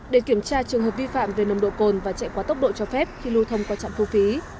để kiểm tra trường hợp vi phạm về nồng độ cồn và chạy quá tốc độ cho phép khi lưu thông qua trạm thu phí